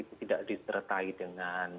itu tidak disertai dengan